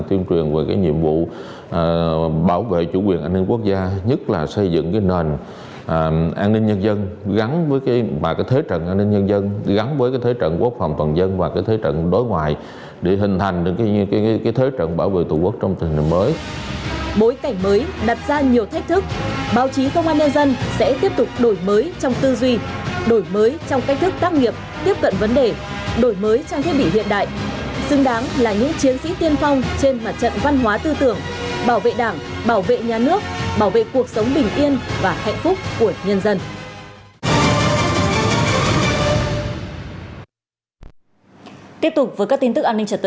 tiếp tục với các tin tức an ninh trật tự